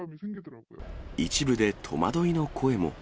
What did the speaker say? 一部で戸惑いの声も。